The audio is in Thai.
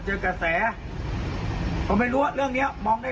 แล้วแกเจอเหตุการณ์เหมือนงี้หรือเปล่า